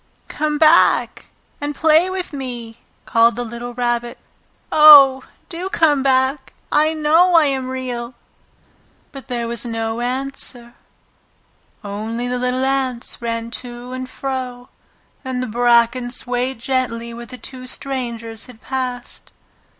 "Come back and play with me!" called the little Rabbit. "Oh, do come back! I know I am Real!" But there was no answer, only the little ants ran to and fro, and the bracken swayed gently where the two strangers had passed.